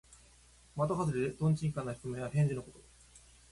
まとはずれで、とんちんかんな質問や返事のこと。